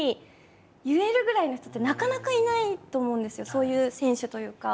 そういう選手というか。